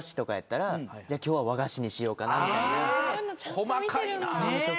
細かいなぁ。